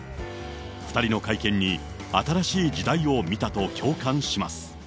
２人の会見に新しい時代を見たと共感します。